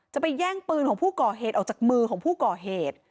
ไปแย่งปืนของผู้ก่อเหตุออกจากมือของผู้ก่อเหตุ